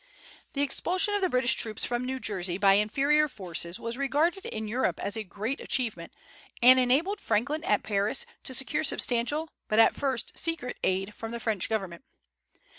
The expulsion of the British troops from New Jersey by inferior forces was regarded in Europe as a great achievement, and enabled Franklin at Paris to secure substantial but at first secret aid from the French Government.